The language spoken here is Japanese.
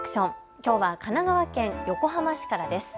きょうは神奈川県横浜市からです。